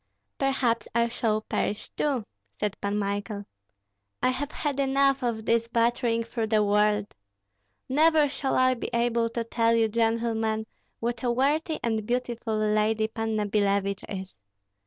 "Perhaps I shall perish too," said Pan Michael. "I have had enough of this battering through the world. Never shall I be able to tell you, gentlemen, what a worthy and beautiful lady Panna Billevich is.